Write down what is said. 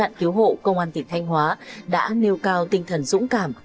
các cứu hộ công an tỉnh thanh hóa đã nêu cao tinh thần dũng cảm